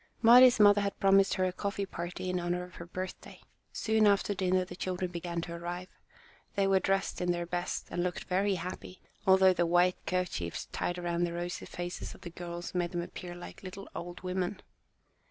Mari's mother had promised her a coffee party in honour of her birthday. Soon after dinner the children began to arrive. They were dressed in their best and looked very happy, although the white kerchiefs tied around the rosy faces of the girls made them appear like little old women.